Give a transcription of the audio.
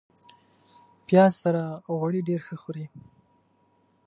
پیاز سره غوړي ډېر ښه خوري